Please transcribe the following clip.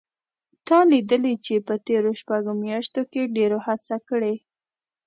تا لیدلي چې په تېرو شپږو میاشتو کې ډېرو هڅه کړې